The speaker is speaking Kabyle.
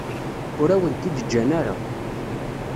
Ur awen-t-id-ǧǧan ara.